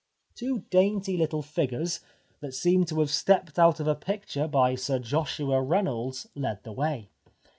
Two dainty little figures, that seemed to have stepped out of a picture by Sir Joshua Reynolds, led the way.